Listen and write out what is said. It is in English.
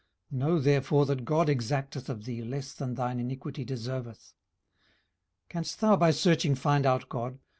Know therefore that God exacteth of thee less than thine iniquity deserveth. 18:011:007 Canst thou by searching find out God?